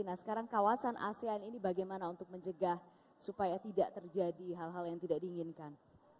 nah sekarang kawasan asean ini bagaimana untuk mencegah supaya tidak terjadi hal hal yang tidak diinginkan